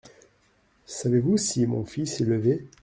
Savez-vous si mon fils est levé ?